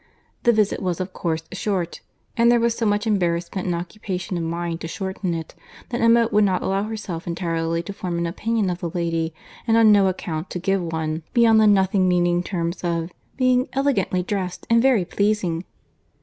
The visit was of course short; and there was so much embarrassment and occupation of mind to shorten it, that Emma would not allow herself entirely to form an opinion of the lady, and on no account to give one, beyond the nothing meaning terms of being "elegantly dressed, and very pleasing."